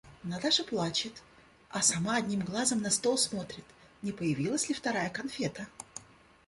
Наташа плачет, а сама одним глазом на стол смотрит, не появилась ли вторая конфета.